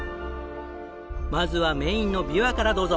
まずはメインのビワからどうぞ。